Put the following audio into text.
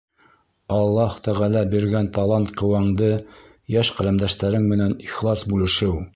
Аллаһ Тәғәлә биргән талант-ҡеүәңде йәш ҡәләмдәштәрең менән ихлас бүлешеү.